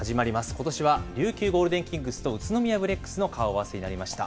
ことしは琉球ゴールデンキングスと宇都宮ブレックスの顔合わせになりました。